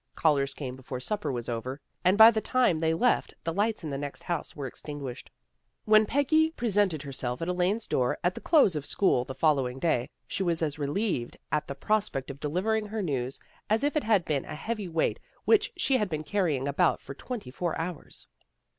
Callers came before supper was over, and by the tune they left the lights in the next house were extinguished. When Peggy presented herself at Elaine's door at the close of school the following day, she was as relieved at the pros pect of delivering her news as if it had been a heavy weight which she had been carrying about for nearly twenty four hours.